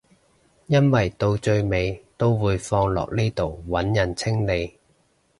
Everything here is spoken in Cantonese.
因為到最尾都會放落呢度揾人清理